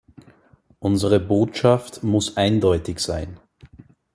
Unsere Botschaft muss eindeutig sein.